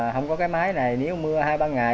không có cái mái này nếu mưa hai ba ngày